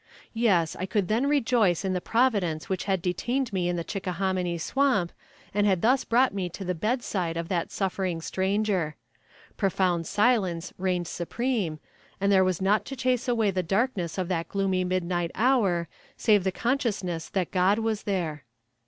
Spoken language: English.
Yes, I could then rejoice in the providence which had detained me in the Chickahominy swamp, and had thus brought me to the bedside of that suffering stranger. Profound silence reigned supreme, and there was naught to chase away the darkness of that gloomy midnight hour save the consciousness that God was there.